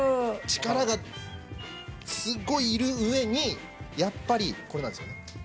力がすごいいる上にやっぱりこれなんですよね